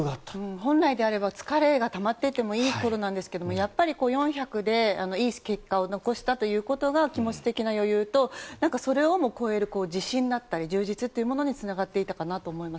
本来なら疲れがたまってもいいくらいなんですけどやっぱり４００ｍでいい結果を残したということが気持ち的な余裕とそれをも超える自信だったり充実につながっていたかなと思います。